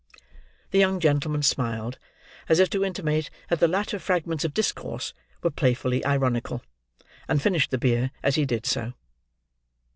The young gentleman smiled, as if to intimate that the latter fragments of discourse were playfully ironical; and finished the beer as he did so.